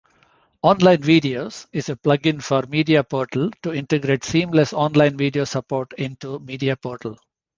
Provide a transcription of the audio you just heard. OnlineVideos is a plugin for MediaPortal to integrate seamless online video support into MediaPortal.